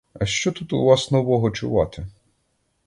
— А що тут у вас нового чувати?